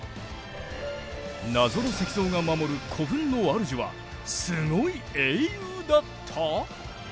謎の石像が守る古墳の主はすごい英雄だった！？